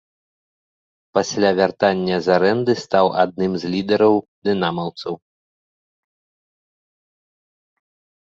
Пасля вяртання з арэнды стаў адным з лідараў дынамаўцаў.